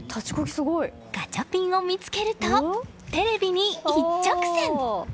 ガチャピンを見つけるとテレビに一直線！